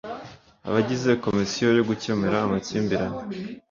abagize Komisiyo yo gukemura amakimbirane